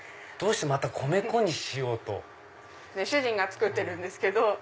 どうして米粉にしようと？主人が作ってるんですけど。